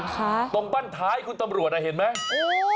ตรงบ้านท้ายคุณตำรวจอ่ะเห็นไหม